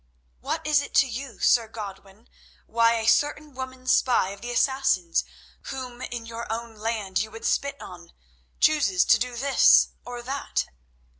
What is it to you, Sir Godwin, why a certain woman spy of the Assassins, whom in your own land you would spit on, chooses to do this or that?"